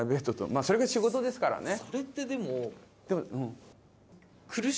だからそれが仕事ですからね。